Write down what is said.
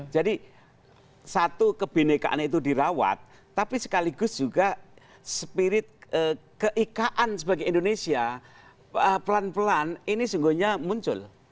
jadi satu kebenekaan itu dirawat tapi sekaligus juga spirit ke ik an sebagai indonesia pelan pelan ini sejujurnya muncul